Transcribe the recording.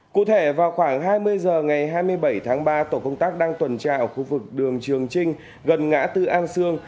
cụ thể vào khoảng hai mươi h ngày hai mươi bảy tháng ba tổ công tác đang tuần tra ở khu vực đường trường trinh gần ngã tư an sương